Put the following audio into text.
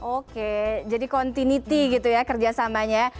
oke jadi continuity gitu ya kerjasamanya